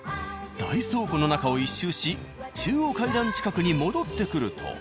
大倉庫の中を１周し中央階段近くに戻ってくると。